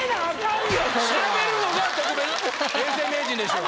調べるのが特別永世名人でしょう。